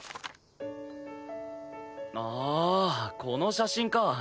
ああこの写真か。